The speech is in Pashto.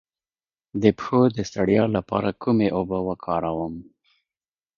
د پښو د ستړیا لپاره کومې اوبه وکاروم؟